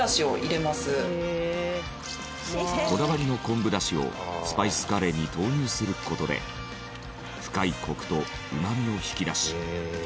こだわりの昆布だしをスパイスカレーに投入する事で深いコクとうまみを引き出し